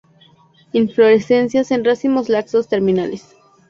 Inflorescencias en racimos laxos, terminales.